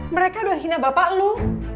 mereka udah hina bapak lho